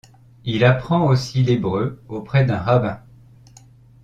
Il apprend aussi l'hébreu auprès d'un rabbin.